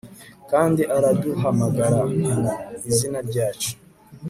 kandi araduhamagara mu izina ryacu